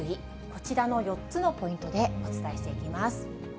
こちらの４つのポイントでお伝えしていきます。